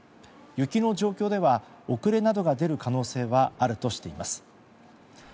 雪の状況では遅れなどが出る可能性はあるとしています。